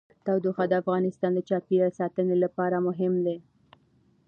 تودوخه د افغانستان د چاپیریال ساتنې لپاره مهم دي.